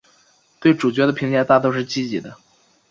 对主角的评价大都是积极的。